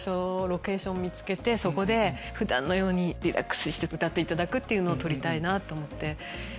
ロケーションを見つけて普段のようにリラックスして歌っていただくっていうのを撮りたいなぁと思って。